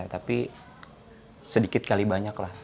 tapi sedikit kali banyak lah